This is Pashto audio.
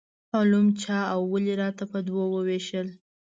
علوم چا او ولې راته په دوو وویشل.